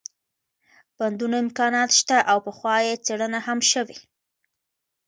بندونو امكانات شته او پخوا يې څېړنه هم شوې